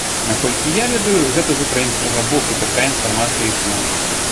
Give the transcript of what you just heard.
Наколькі я ведаю, гэта з украінскага боку такая інфармацыя ішла.